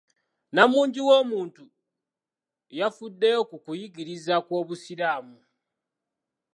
Nnamungi w'omuntu yafuddeyo ku kuyigiriza kw'Obusiraamu.